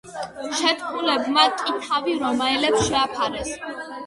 შეთქმულებმა კი თავი რომაელებს შეაფარეს.